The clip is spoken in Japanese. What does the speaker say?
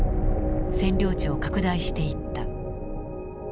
占領地を拡大していった。